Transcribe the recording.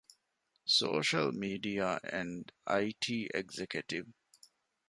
ސޯޝަލްމީޑިއާ އެންޑް އައި.ޓީ އެގްޒެކެޓިވް